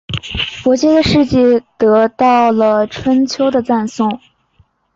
伯姬的事迹得到了春秋的赞颂。